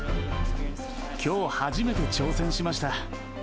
きょう初めて挑戦しました。